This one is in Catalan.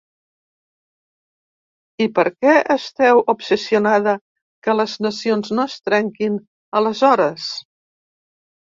I per què esteu obsessionada que les nacions no es trenquin, aleshores?